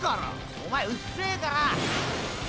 おまえうっせえから。